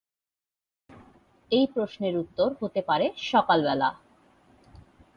এই প্রশ্নের উত্তর হতে পারে সকালবেলা।